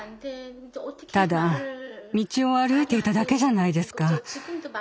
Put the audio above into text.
ただ道を歩いていただけじゃないですか。